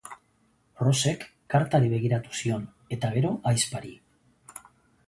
Rosek kartari begiratu zion eta gero ahizpari.